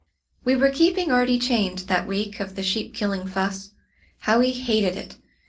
"We were keeping Artie chained that week of the sheep killing fuss. How he hated it!